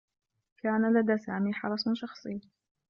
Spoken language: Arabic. كان لدى سامي حرس شخصي.